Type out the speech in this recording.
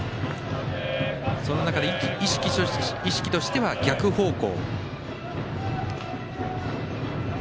その中で、意識としては逆方向。